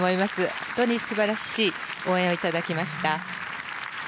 本当に素晴らし応援を頂きました。